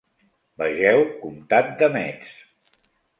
Vegeu comtat de Metz.